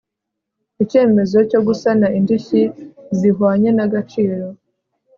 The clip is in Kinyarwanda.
icyemezo cyo gusana indishyi zihwanye n agaciro